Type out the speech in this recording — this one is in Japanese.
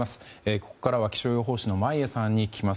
ここからは気象予報士の眞家さんに聞きます。